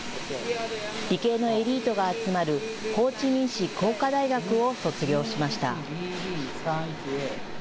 理系のエリートが集まるホーチミン市工科大学を卒業しました。